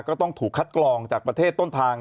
ก็ต้องถูกคัดกรองจากประเทศต้นทาง